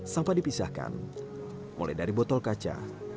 sampah dipisahkan mulai dari botol kaca